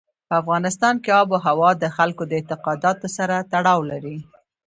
په افغانستان کې آب وهوا د خلکو د اعتقاداتو سره تړاو لري.